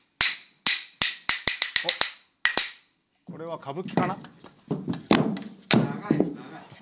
これは歌舞伎かな。